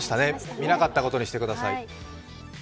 見なかったことにしてください。